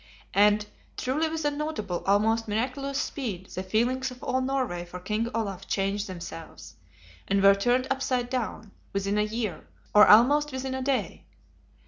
And, truly with a notable, almost miraculous, speed, the feelings of all Norway for King Olaf changed themselves, and were turned upside down, "within a year," or almost within a day.